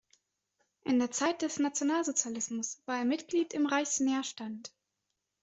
In der Zeit des Nationalsozialismus war er Mitglied im Reichsnährstand.